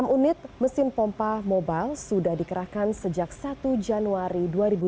enam unit mesin pompa mobile sudah dikerahkan sejak satu januari dua ribu dua puluh